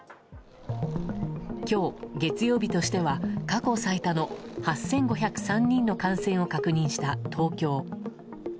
今日、月曜日としては過去最多の８５０３人の感染を確認した東京。